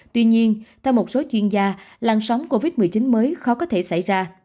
tuy nhiên theo một số chuyên gia làn sóng covid một mươi chín mới khó có thể xảy ra